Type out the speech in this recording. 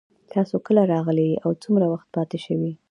تاسو کله راغلئ او څومره وخت پاتې شوئ